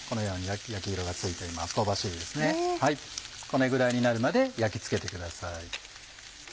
これぐらいになるまで焼き付けてください。